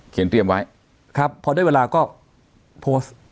เตรียมไว้ครับพอได้เวลาก็โพสต์